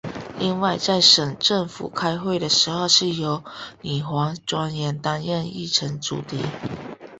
另外在省政府开会的时候是由女王专员担任议程主席。